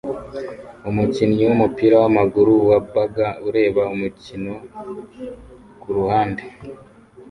Umukinnyi wumupira wamaguru wa Baga ureba umukino kuruhande